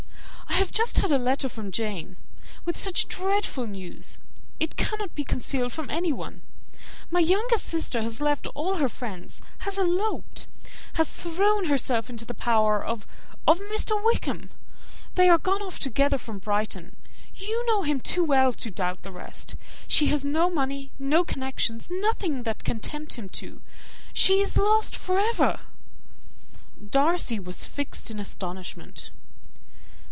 "I have just had a letter from Jane, with such dreadful news. It cannot be concealed from anyone. My youngest sister has left all her friends has eloped; has thrown herself into the power of of Mr. Wickham. They are gone off together from Brighton. You know him too well to doubt the rest. She has no money, no connections, nothing that can tempt him to she is lost for ever." Darcy was fixed in astonishment.